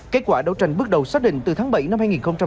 kết quả đấu tranh bước đầu xác định từ tháng bảy năm hai nghìn hai mươi